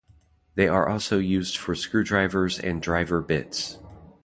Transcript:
They are also used for screwdrivers and driver bits.